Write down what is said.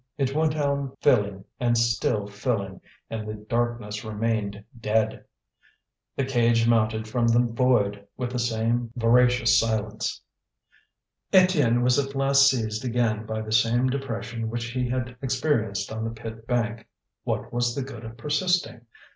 It went on filling and still filling, and the darkness remained dead. The cage mounted from the void with the same voracious silence. Étienne was at last seized again by the same depression which he had experienced on the pit bank. What was the good of persisting?